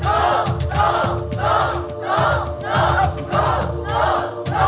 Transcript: สู้